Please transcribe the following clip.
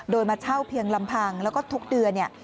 โดยมาเช่าเพียงลำพังแล้วก็ทุกเดือนเนี่ย